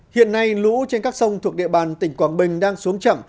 hiện nay lũ trên các sông thuộc địa bàn tỉnh quảng bình đang xuống chậm